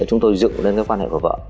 chúng tôi dựng lên cái quan hệ của vợ